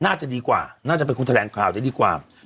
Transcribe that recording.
น่าจะดีกว่าน่าจะเป็นคนแถลงข่าวได้ดีกว่า